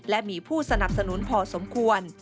และมีผู้สนับสนุนพอสมควร